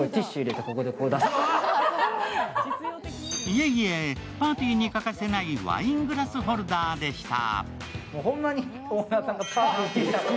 いえいえ、パーティーに欠かせないワイングラスホルダーでした。